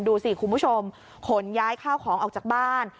ดูสิคุณผู้ชมขนย้ายข้าวของออกจากบ้าน